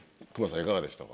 いかがでしたか？